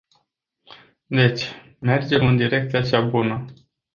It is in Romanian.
Deci, mergem în direcția cea bună.